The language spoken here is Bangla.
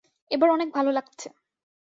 এবার অনেক ভাল লাগছে।